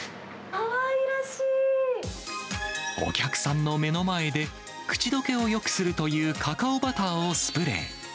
お客さんの目の前で、口どけをよくするというカカオバターをスプレー。